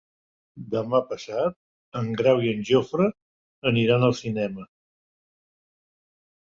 Demà passat en Grau i en Jofre aniran al cinema.